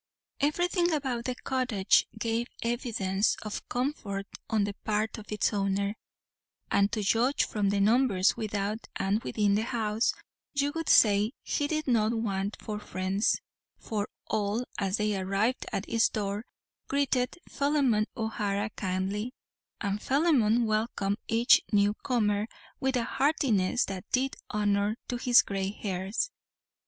Everything about the cottage gave evidence of comfort on the part of its owner, and, to judge from the numbers without and within the house, you would say he did not want for friends; for all, as they arrived at its door, greeted Phelim O'Hara kindly, and Phelim welcomed each new comer with a heartiness that did honour to his grey hairs.